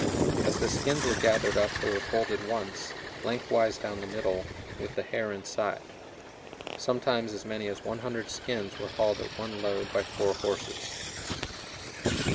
As the skins were gathered up they were folded once, lengthwise down the middle, with the hair inside. Sometimes as many as 100 skins were hauled at one load by four horses.